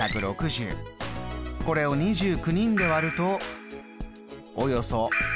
これを２９人で割ると。